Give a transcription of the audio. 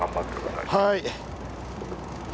はい。